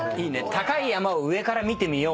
「高い山を上から見てみよう」の本だ。